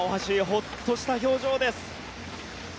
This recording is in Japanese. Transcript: ホッとした表情です。